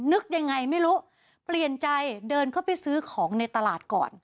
นึกยังไงไม่รู้เปลี่ยนใจเดินเข้าไปซื้อของในตลาดก่อน